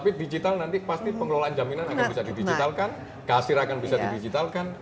tapi digital nanti pasti pengelolaan jaminan akan bisa didigitalkan kasir akan bisa didigitalkan